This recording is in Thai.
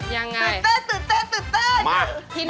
ยังไงตื่นเต้น